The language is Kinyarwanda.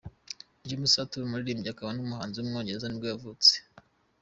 James Arthur, umuririmbyi akaba n’umuhanzi w’umwongereza nibwo yavutse.